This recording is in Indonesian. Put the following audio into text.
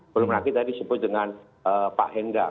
belum lagi tadi sebut dengan pak henda